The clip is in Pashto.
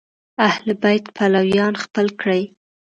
اهل بیت پلویان خپل کړي